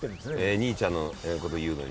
兄ちゃんのこと言うのに。